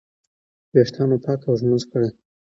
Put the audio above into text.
ویښتان مو پاک او ږمنځ کړئ.